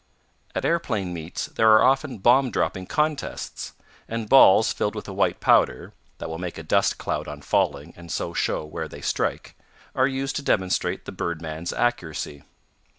At aeroplane meets there are often bomb dropping contests, and balls filled with a white powder (that will make a dust cloud on falling, and so show where they strike) are used to demonstrate the birdman's accuracy.